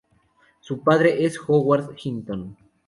Su padre es Howard Hinton.